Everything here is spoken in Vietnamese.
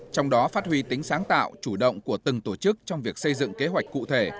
trong đó phát huy tính sáng tạo chủ động của từng tổ chức trong việc xây dựng kế hoạch cụ thể